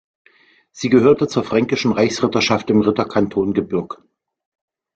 Sie gehörte zur fränkischen Reichsritterschaft im Ritterkanton Gebürg.